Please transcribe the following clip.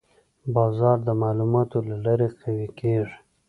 بازار د معلوماتو له لارې قوي کېږي.